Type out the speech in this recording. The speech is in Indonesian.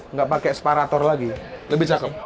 nggak pakai separator lagi lebih cakep